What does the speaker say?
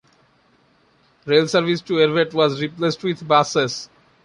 Rail service to Everett was replaced with buses.